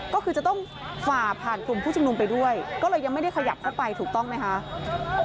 ก็คือจะต้องฝ่าผ่านกลุ่มผู้ชุมนุมไปด้วยก็เลยยังไม่ได้ขยับเข้าไปถูกต้องไหมคะ